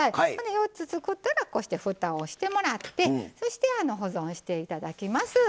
４つ作ったらこうしてふたをしてもらってそして保存して頂きます。